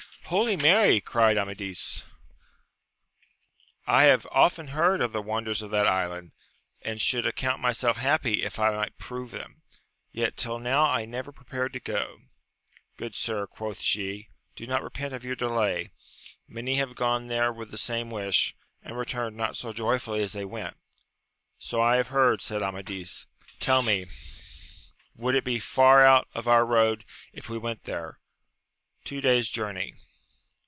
Holy Mary ! cried Amadis, I have often heard of the wonders of that island, and should account myself happy if I might prove them, yet tiU now I never prepared to go ! Good sir, quoth she, do not repent of your delay ; many have gone there with the same wish, and returned not so joyfully as they went. So I have heard, said Amadis : tell me, would it be far out of our road if we went there ?— Two days journey.